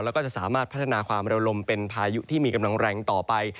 แล้วก็จะสามารถพัฒนาความเร็วลมเป็นพายุที่มีกำลังแรงต่อไป